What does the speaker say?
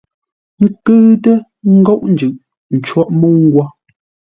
Kʉ́ʉtə́ ə ńgóʼo jʉʼ cwóʼ mə́u nghwó.